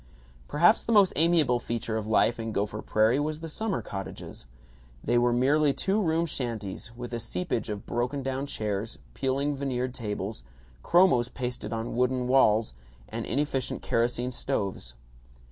Perhaps the most amiable feature of life in Gopher Prairie was the summer cottages. They were merely two room shanties, with a seepage of broken down chairs, peeling veneered tables, chromos pasted on wooden walls, and inefficient kerosene stoves.